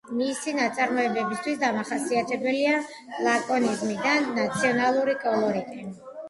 მისი ნაწარმოებებისთვის დამახასიათებელია ლაკონიზმი და ნაციონალური კოლორიტი.